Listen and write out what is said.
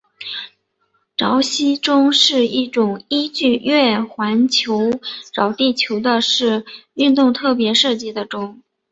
潮汐钟是一种依据月球环绕地球的视运动特别设计的钟。